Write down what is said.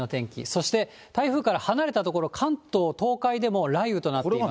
そして、台風から離れた所、関東、東海でも雷雨となっています。